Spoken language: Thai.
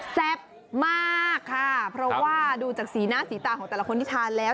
แซ่บมากค่ะเพราะว่าดูจากสีหน้าสีตาของแต่ละคนที่ทานแล้ว